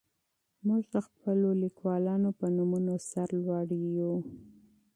موږ د خپلو ادیبانو په نومونو سر لوړي یو.